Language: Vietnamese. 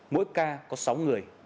mỗi ca có sáu người